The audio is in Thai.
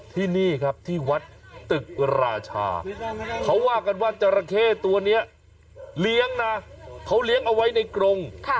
ที่นี่ครับที่วัดตึกราชาเขาว่ากันว่าจราเข้ตัวนี้เลี้ยงนะเขาเลี้ยงเอาไว้ในกรง